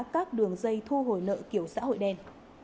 các đường dây thu hồi nợ kiểu xã hội đen